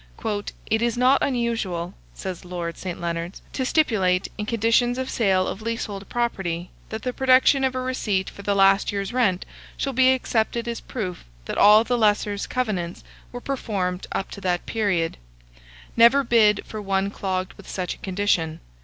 "It is not unusual," says Lord St. Leonards, "to stipulate, in conditions of sale of leasehold property, that the production of a receipt for the last year's rent shall be accepted as proof that all the lessor's covenants were performed up to that period. Never bid for one clogged with such a condition.